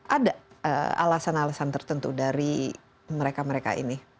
ada alasan alasan tertentu dari mereka mereka ini